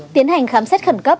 tiến hành khám xét khẩn cấp